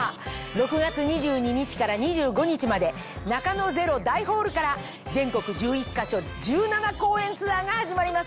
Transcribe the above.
６月２２日から２５日までなかのＺＥＲＯ大ホールから全国１１か所１７公演ツアーが始まります。